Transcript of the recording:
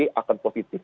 yang akan positif